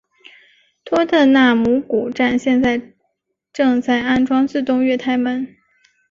托特纳姆谷站现在正在安装自动月台门。